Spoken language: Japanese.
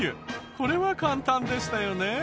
これは簡単でしたよね？